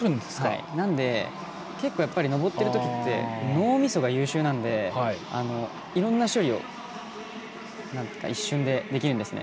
なので、結構やっぱり登っている時って脳みそが優秀なのでいろんな処理を一瞬で、できるんですね。